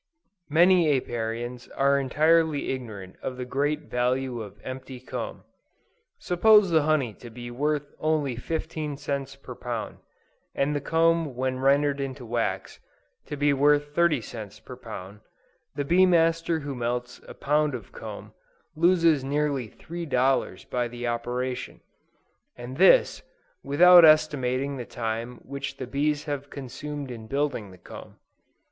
Many Apiarians are entirely ignorant of the great value of empty comb. Suppose the honey to be worth only 15 cts. per lb., and the comb when rendered into wax, to be worth 30 cts. per lb., the bee master who melts a pound of comb, loses nearly three dollars by the operation, and this, without estimating the time which the bees have consumed in building the comb.